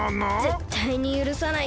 ぜったいにゆるさない。